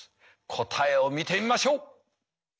答えを見てみましょう！